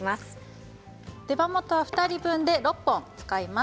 手羽元は２人分で６本、使います。